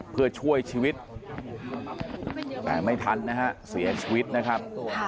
เพื่อช่วยชีวิตแต่ไม่ทันนะฮะเสียชีวิตนะครับ